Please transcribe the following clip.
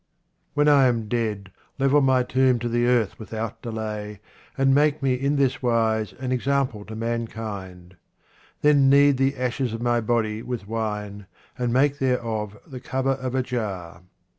When I am dead, level my tomb to the earth without delay, and make me in this wise an 43 QUATRAINS OF OMAR KHAYYAM example to mankind. Then knead the ashes of my body with wine, and make thereof the cover of a jar.